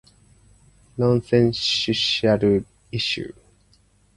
Nonsensical issues.